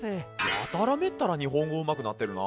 やたらめったら日本語うまくなってるな。